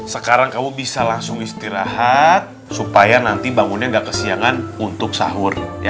sekarang kamu bisa langsung istirahat supaya nanti bangunnya gak kesiangan untuk sahur